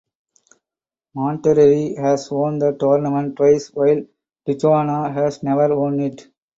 Monterrey has won the tournament twice while Tijuana has never won it.